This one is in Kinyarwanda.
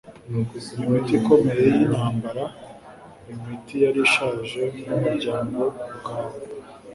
imiti ikomeye yintambara-imiti yari ishaje nkumuryango ubwawo